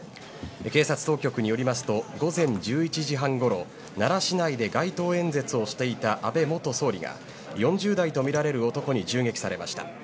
警察当局によりますと午前１１時半ごろ奈良市内で街頭演説をしていた安倍元総理が４０代とみられる男に銃撃されました。